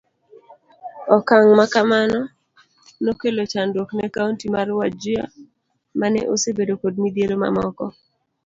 Okang' makamano nokelo chandruok ne Kaunti mar Wajir mane osebedo kod midhiero mamoko.